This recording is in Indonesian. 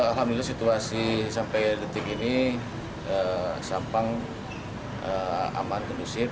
alhamdulillah situasi sampai detik ini sampang aman kondusif